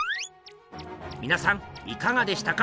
みなさんいかがでしたか？